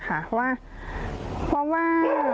เพราะว่าที่พี่ไปดูมันเหมือนกับมันมีแค่๒รู